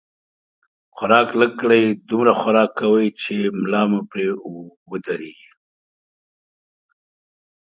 خوراک لږ کړئ، دومره خوراک کوئ، چې ملا مو پرې ودرېږي